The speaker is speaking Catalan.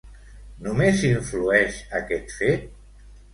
Només influeix aquest fet?